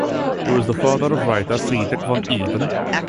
He was the father of the writer Frederik van Eeden.